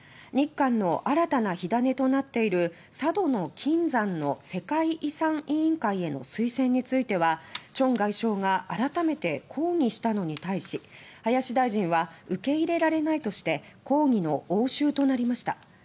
日韓の新たな火種となっている「佐渡島の金山」の世界遺産委員会への推薦についてはチョン外相が改めて抗議したのに対し林大臣は受け入れられないとして抗議の応酬となりました。